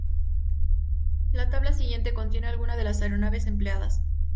La tabla siguiente contiene algunas de las aeronaves empleadas.